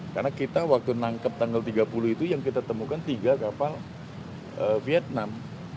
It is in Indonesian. karena kita waktu nangkep tanggal tiga puluh itu yang kita temukan tiga kapal vietnam